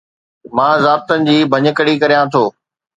مان ضابطن جي ڀڃڪڙي ڪريان ٿو